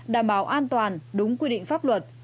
đảm bảo an toàn đúng quy định pháp luật